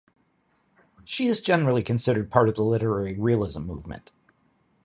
She is generally considered part of the literary realism movement.